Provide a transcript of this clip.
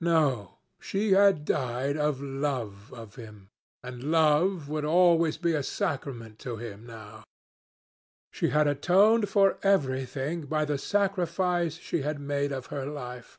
No; she had died for love of him, and love would always be a sacrament to him now. She had atoned for everything by the sacrifice she had made of her life.